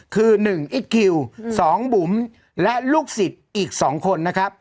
คือหนึ่งสองบุ๋มและลูกศิษย์อีกสองคนนะครับ